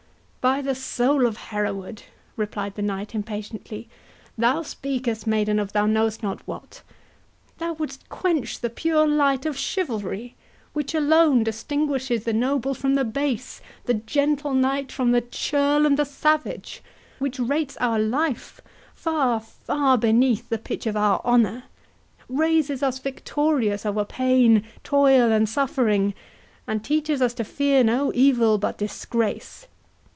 "By the soul of Hereward!" replied the knight impatiently, "thou speakest, maiden, of thou knowest not what. Thou wouldst quench the pure light of chivalry, which alone distinguishes the noble from the base, the gentle knight from the churl and the savage; which rates our life far, far beneath the pitch of our honour; raises us victorious over pain, toil, and suffering, and teaches us to fear no evil but disgrace.